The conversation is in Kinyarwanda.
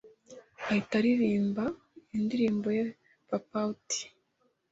ahita aririmba indirimbo ye PapaOutai.